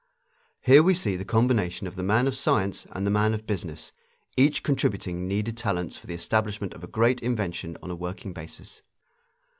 Here we see the combination of the man of science and the man of business, each contributing needed talents for the establishment of a great invention on a working basis.